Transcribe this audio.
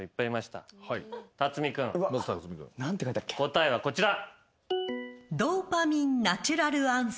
答えはこちら。